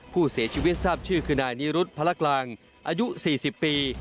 ผู้เสียชีวิตทราบชื่อคือนายนิรุธพระกลางอายุ๔๐ปี